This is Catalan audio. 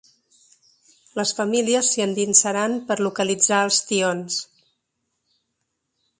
Les famílies s’hi endinsaran per localitzar els tions.